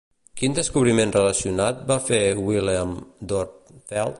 Quin descobriment relacionat va fer Wilhelm Dörpfeld?